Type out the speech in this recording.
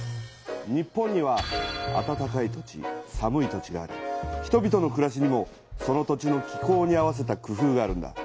日本には「あたたかい土地」「寒い土地」があり人々のくらしにもその土地の気候に合わせた工夫があるんだ。